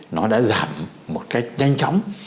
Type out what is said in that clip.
nó đã giảm một cách nhanh chóng